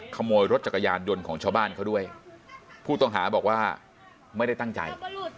ขโมยรถจักรยานยนต์ของชาวบ้านเขาด้วยผู้ต้องหาบอกว่าไม่ได้ตั้งใจ